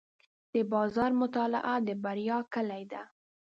د بازار مطالعه د بریا کلي ده.